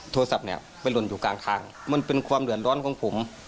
โทรศัพท์เนี่ยไปหล่นอยู่กลางทางมันเป็นความเดือดร้อนของผม